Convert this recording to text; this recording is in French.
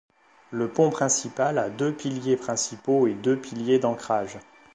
Le pont principal a deux piliers principaux et deux piliers d'ancrage.